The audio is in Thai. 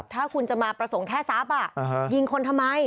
ถ้าคุณจะมาประสงค์แค่ทรัพย์ยิงคนทำไม